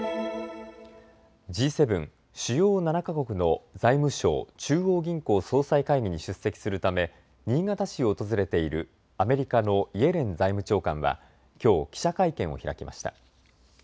Ｇ７・主要７か国の財務相・中央銀行総裁会議に出席するため新潟市を訪れているアメリカのイエレン財務長官はきょう記者会見を開きました。